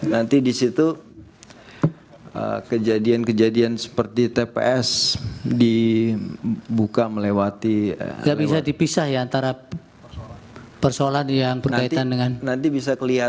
nanti di situ kejadian kejadian seperti tps di